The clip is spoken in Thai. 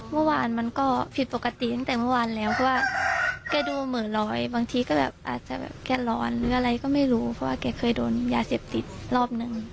เมื่อวานมันก็ผิดปกติตั้งแต่เมื่อวานแล้วเพราะว่าแกดูเหมือนร้อยบางทีก็แบบอาจจะแบบแกร้อนหรืออะไรก็ไม่รู้เพราะว่าแกเคยโดนยาเสพติดรอบนึง